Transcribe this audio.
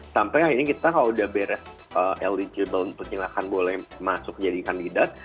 sampai akhirnya kita kalau udah beres eligible pergilah kan boleh masuk jadi kandidat